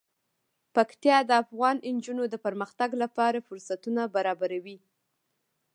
پکتیا د افغان نجونو د پرمختګ لپاره فرصتونه برابروي.